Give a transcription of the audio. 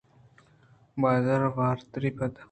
بازارءِواترّی ءَ پد